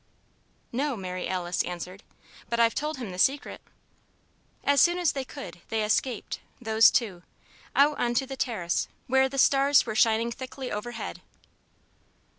"No," Mary Alice answered, "but I've told him the Secret." As soon as they could, they escaped those two out on to the terrace where the stars were shining thickly overhead.